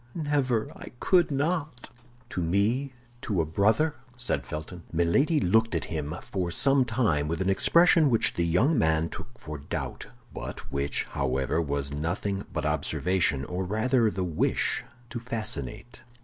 never!—I could not!" "To me, to a brother?" said Felton. Milady looked at him for some time with an expression which the young man took for doubt, but which, however, was nothing but observation, or rather the wish to fascinate.